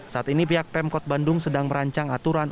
saat ini pihak pemkot bandung sedang merancang aturan